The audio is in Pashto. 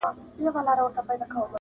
پر لکړه یې دروړمه هدیرې لمن دي نیسه -